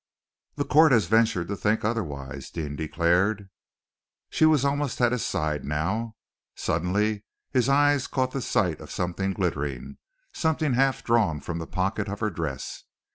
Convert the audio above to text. "The Court has ventured to think otherwise," Deane declared. She was almost at his side now. Suddenly his eyes caught the sight of something glittering, something half drawn from the pocket of her dress.